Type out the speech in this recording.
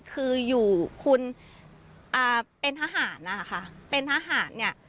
คืออยู่คุณอ่าเป็นทหารนะคะเป็นทหารเนี่ย